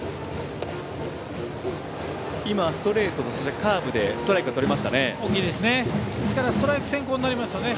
今、ストレートとカーブでストライクがとれましたね。